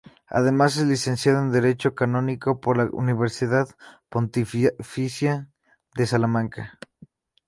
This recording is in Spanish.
Además es licenciado en Derecho Canónico por la Universidad Pontificia de Salamanca.